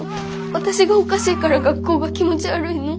私がおかしいから学校が気持ち悪いの？